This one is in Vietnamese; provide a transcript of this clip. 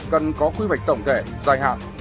cần có quy hoạch tổng thể dài hạn